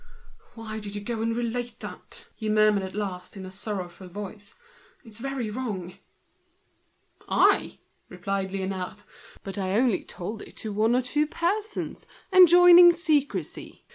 "Why did you go and relate that?" he murmured at last, in a voice full of grief. "It's very bad." "I?" replied Liénard; "but I only told it to one or two persons, enjoining secrecy.